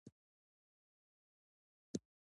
ظلم د پاچاهۍ دښمن دی